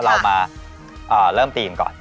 เรามาเริ่มทีมก่อน